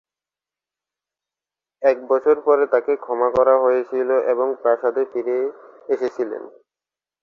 এক বছর পরে তাকে ক্ষমা করা হয়েছিল এবং প্রাসাদে ফিরে এসেছিলেন।